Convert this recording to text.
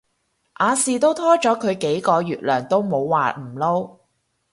亞視都拖咗佢幾個月糧都冇話唔撈